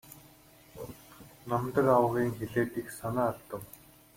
Намдаг авга ийн хэлээд их санаа алдав.